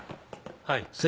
はい。